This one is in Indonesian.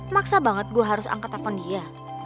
maksa banget gue harus angkat telepon dia